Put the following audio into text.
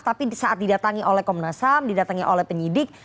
tapi saat didatangi oleh komnasam didatangi oleh penyidik